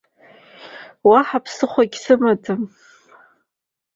Уаҳа ԥсыхәагьы сымаӡам.